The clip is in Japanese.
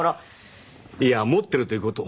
いや持っているという事を。